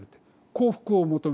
幸福を求める。